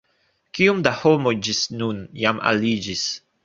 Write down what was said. Kiom da homoj ĝis nun jam aliĝis?